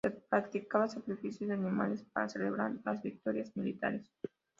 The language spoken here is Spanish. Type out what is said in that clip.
Se practicaban sacrificios de animales para celebrar las victorias militares.